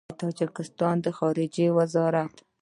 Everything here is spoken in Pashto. د تاجکستان د خارجه وزارت